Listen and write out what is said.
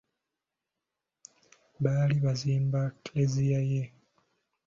Baali bazimba Klezia ye?